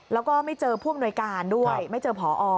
แล้วก็ไม่เจอผู้อำนวยการด้วยไม่เจอผอ